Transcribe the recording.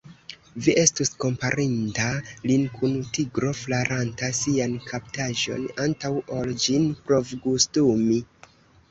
Vi estus komparinta lin kun tigro flaranta sian kaptaĵon, antaŭ ol ĝin provgustumi.